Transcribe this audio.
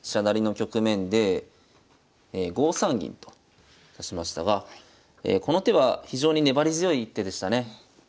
成の局面で５三銀と指しましたがこの手は非常に粘り強い一手でしたね。